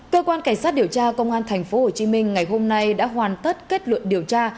cơ quan cảnh sát điều tra công an tp hcm ngày hôm nay đã hoàn tất kết luận điều tra